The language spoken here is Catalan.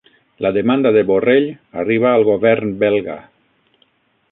La demanda de Borrell arriba al govern Belga